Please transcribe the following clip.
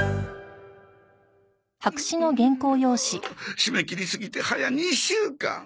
締め切り過ぎてはや２週間。